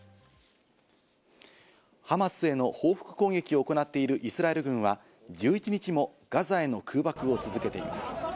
ハマスへの報復攻撃を行っているイスラエル軍は１１日もガザへの空爆を続けています。